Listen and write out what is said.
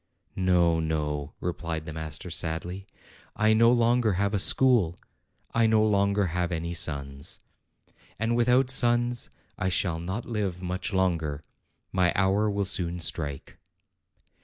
"No, no," replied the master sadly; "I no longer have a school; I no longer have any sons. And with out sons, I shall not live much longer. My hour will soon strike."